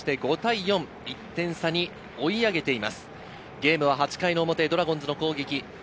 ゲームは８回表ドラゴンズの攻撃。